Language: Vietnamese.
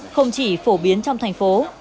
không chỉ phổ biến trong thành phố